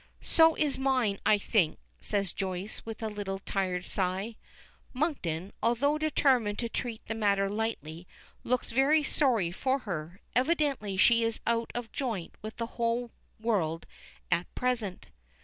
"So is mine, I think," says Joyce, with a tired little sigh. Monkton, although determined to treat the matter lightly, looks very sorry for her. Evidently she is out of joint with the whole world at present.